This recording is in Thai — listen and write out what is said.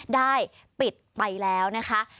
ได้ปิดไปแล้วนะคะ